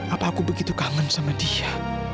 apa aku begitu kangen sama dia